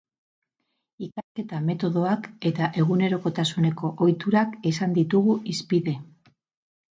Ikasketa metodoak eta egunerokotasuneko ohiturak izan ditugu hizpide.